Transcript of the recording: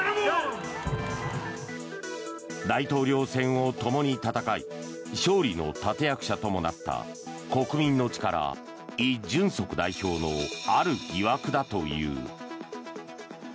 大統領選をともに戦い勝利の立役者ともなった国民の力、イ・ジュンソク代表のある疑惑だという。